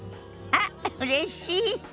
あっうれしい。